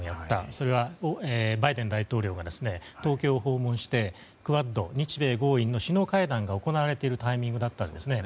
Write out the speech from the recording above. それはバイデン大統領が東京を訪問してクアッド、日米豪印の首脳会談が行われているタイミングだったんですね。